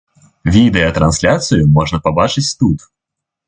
Відэатрансляцыю можна пабачыць тут.